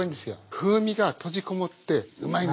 風味が閉じこもってうまいんだ